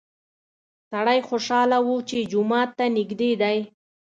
سړی خوشحاله و چې جومات ته نږدې دی.